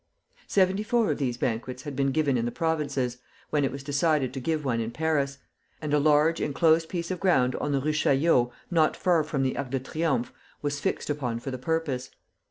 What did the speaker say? Seventy four of these banquets had been given in the provinces, when it was decided to give one in Paris; and a large inclosed piece of ground on the Rue Chaillot, not far from the Arch of Triumph, was fixed upon for the purpose.